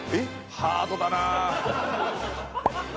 ハードだな！